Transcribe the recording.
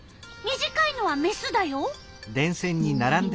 短いのはメスだよ。